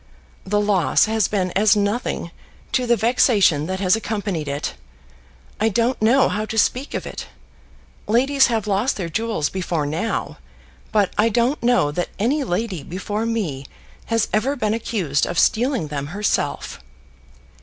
"The loss has been as nothing to the vexation that has accompanied it. I don't know how to speak of it. Ladies have lost their jewels before now, but I don't know that any lady before me has ever been accused of stealing them herself."